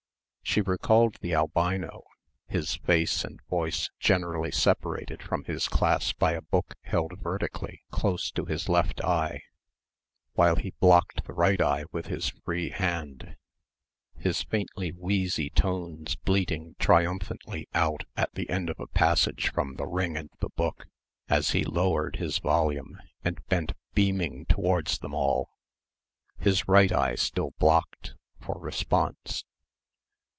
She recalled the albino, his face and voice generally separated from his class by a book held vertically, close to his left eye, while he blocked the right eye with his free hand his faintly wheezy tones bleating triumphantly out at the end of a passage from "The Ring and the Book," as he lowered his volume and bent beaming towards them all, his right eye still blocked, for response.